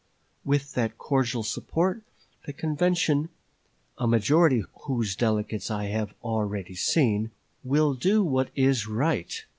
With that cordial support the convention (a majority of whose delegates I have already seen) will do what is right.